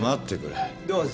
どうぞ。